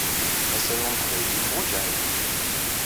Asaru aqbayli yeḥwaǧ aɛiwen.